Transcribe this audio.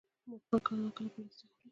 مرغان کله ناکله پلاستيک خوري.